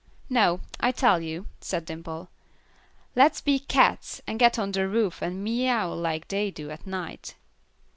"No. I tell you," said Dimple, "let's be cats and get on the roof and meow like they do at night."